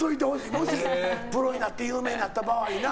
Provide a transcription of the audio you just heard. もしプロになって有名になった場合な。